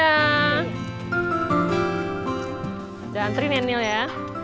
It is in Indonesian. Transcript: udah antri nenil ya